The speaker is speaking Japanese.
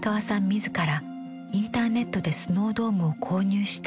自らインターネットでスノードームを購入したとか。